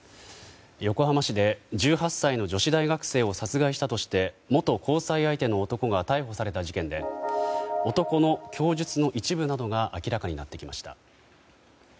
横浜市で１８歳の女子大学生を殺害したとして元交際相手の男が逮捕された事件で男の供述の一部などが明らかになってきました。